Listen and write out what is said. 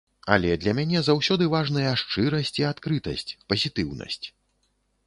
Але для мяне заўсёды важныя шчырасць і адкрытасць, пазітыўнасць.